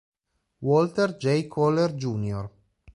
Walter J. Kohler Jr.